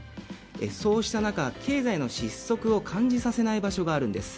そうした中、経済の失速を感じさせない場所があるんです。